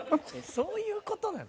「そういう事なの？